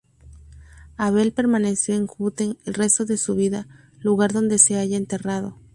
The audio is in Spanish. Abel permaneció en Köthen el resto de su vida, lugar donde se halla enterrado.